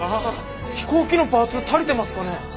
飛行機のパーツ足りてますかね？